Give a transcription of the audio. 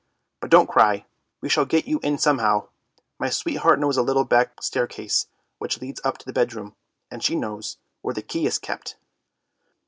But don't cry, we shall get you in somehow ; my sweetheart knows a little back staircase which leads up to the bedroom, and she knows where the key is kept."